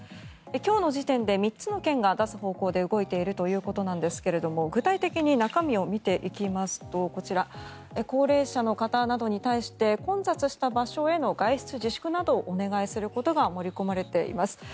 今日の時点で３つの県が出す方向で動いているということなんですが具体的に中身を見ていきますとこちら高齢者の方などに対して混雑した場所への外出自粛などをお願いすることが盛り込まれています。